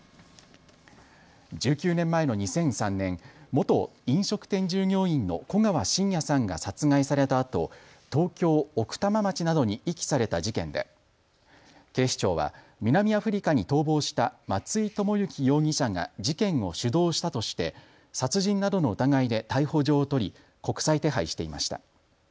１９年前の２００３年、元飲食店従業員の古川信也さんが殺害されたあと東京奥多摩町などに遺棄された事件で警視庁は南アフリカに逃亡した松井知行容疑者が事件を主導したとして殺人などの疑いで逮捕状を取り国際手配していました。